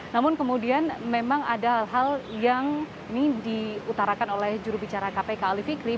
namun kemudian memang ada hal hal yang ini diutarakan oleh jurubicara kpk ali fikri